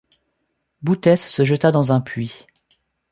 Boutès se jeta dans un puits.